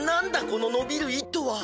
この伸びる糸は。